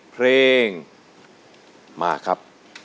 เพลงมาครับ